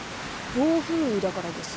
暴風雨だからです。